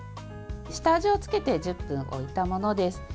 下味をつけて１０分置いたものです。